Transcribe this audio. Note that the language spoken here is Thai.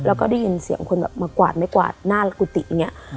แล้วก็ได้ยินเสียงคนแบบมากวาดไม่กวาดหน้ากุฏิอย่างนี้